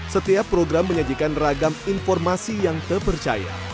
setiap program menyajikan ragam informasi yang terpercaya